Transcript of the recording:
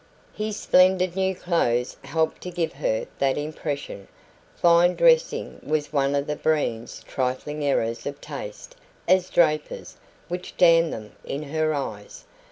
His splendid new clothes helped to give her that impression. Fine dressing was one of the Breens' trifling errors of taste (as drapers) which damned them in her eyes.